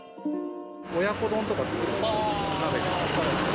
親子丼とか作る鍋。